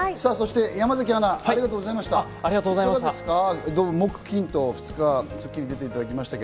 山崎アナ、ありがとうございました。